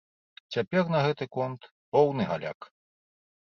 Цяпер на гэты конт поўны галяк.